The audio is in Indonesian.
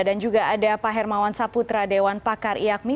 dan juga ada pak hermawan saputra dewan pakar iyakmi